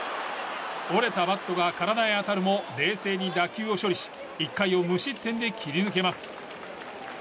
折れたバットが体へ当たるも冷静に打球を処理し１回を無失点で切り抜けます。